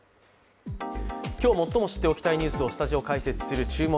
今日、最も知っておきたいニュースをスタジオ解説する「注目！